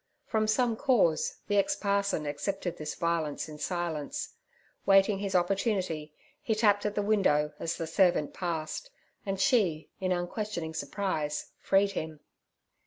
From some cause the ex parson accepted this violence in silence. Waiting his opportunity, he tapped at the window as the servant passed, and she, in unquestioning surprise, freed him.